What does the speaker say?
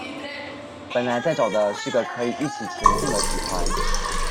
本來在找的是個可以一起前進的集團